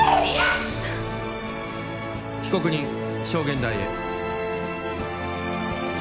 被告人証言台へ